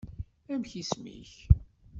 Amek isem-k?